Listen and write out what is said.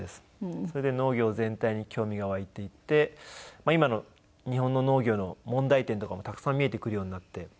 それで農業全体に興味が湧いていって今の日本の農業の問題点とかもたくさん見えてくるようになって。